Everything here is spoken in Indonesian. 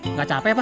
nggak capek apa